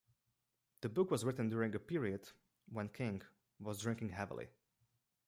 The book was written during a period when King was drinking heavily.